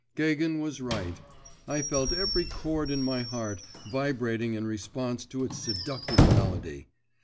Gagin was right; I felt every chord in my heart vibrating in response to its seductive melody.